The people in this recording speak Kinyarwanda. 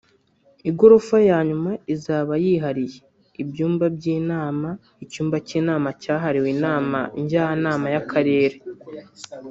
Igorofa ya nyuma izaba yihariye ibyumba by’inama (icyumba cy’inama cyahariwe inama njyanama y’akarere